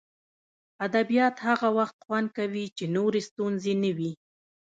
ادبیات هغه وخت خوند کوي چې نورې ستونزې نه وي